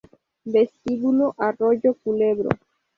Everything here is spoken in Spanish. Vestíbulo Arroyo Culebro